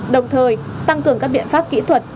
đồng thời tăng cường các biện pháp kỹ thuật